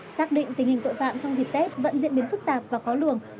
xác định tình hình tội phạm trong dịp tết vẫn diễn biến phức tạp và khó lường